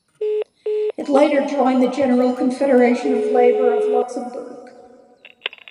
It later joined the General Confederation of Labour of Luxembourg.